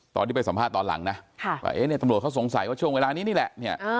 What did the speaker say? ตอนที่ไปสัมภาษณ์ตอนหลังนะตำรวจเขาสงสัยว่าช่วงเวลานี้นี่แหละ